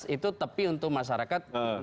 tujuh belas itu tepi untuk masyarakat